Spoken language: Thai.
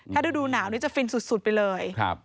ถ้าฤดูหนาวนี้จะฟินสุดไปเลย